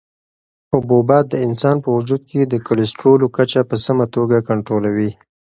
حبوبات د انسان په وجود کې د کلسترولو کچه په سمه توګه کنټرولوي.